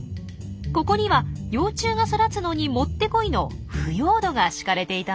ここには幼虫が育つのにもってこいの腐葉土が敷かれていたんです。